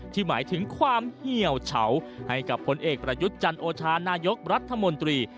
หมายถึงความเหี่ยวเฉาให้กับผลเอกประยุทธ์จันโอชานายกรัฐมนตรี